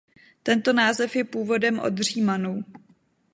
Tento název je původem od Římanů.